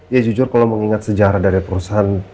ya jujur kalau mengingat sejarah dari perusahaan